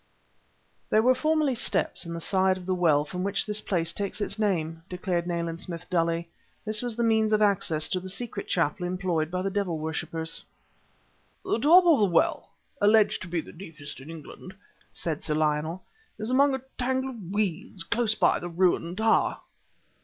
"There were formerly steps, in the side of the well from which this place takes its name," declared Nayland Smith dully. "This was the means of access to the secret chapel employed by the devil worshipers." "The top of the well (alleged to be the deepest in England)," said Sir Lionel, "is among a tangle of weeds close by the ruined tower."